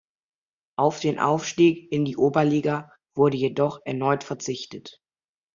Auf den Aufstieg in die Oberliga wurde jedoch erneut verzichtet.